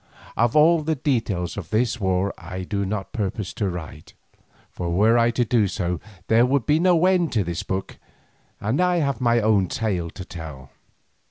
Of all the details of this war I do not purpose to write, for were I to do so, there would be no end to this book, and I have my own tale to tell.